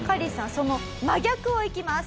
その真逆をいきます。